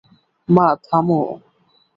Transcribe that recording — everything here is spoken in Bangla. মা, থামো!